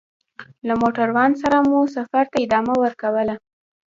له موټروان سره مو سفر ته ادامه ورکوله.